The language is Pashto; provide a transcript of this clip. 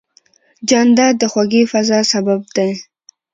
جانداد د خوږې فضا سبب دی.